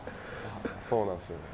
そうなんですね。